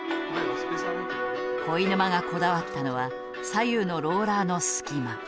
肥沼がこだわったのは左右のローラーの隙間。